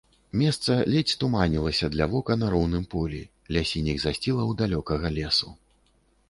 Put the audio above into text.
Места ледзь туманілася для вока на роўным полі, ля сініх засцілаў далёкага лесу.